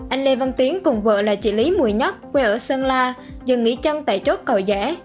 anh lê văn tiến cùng vợ là chị lý mùi nhất quê ở sơn la dần nghỉ chân tại chốt cầu rẽ